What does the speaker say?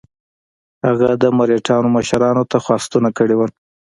هغه د مرهټیانو مشرانو ته خواستونه کړي وه.